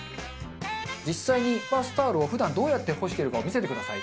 実際にバスタオルを普段どうやって干してるかを見せてください。